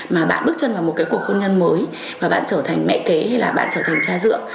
mà bạn bước chân vào một cái cuộc hôn nhân mới và bạn trở thành mẹ kế hay là bạn trở thành cha ruột